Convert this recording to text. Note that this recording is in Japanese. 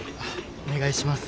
お願いします。